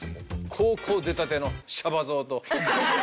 高校出たてのシャバ僧と。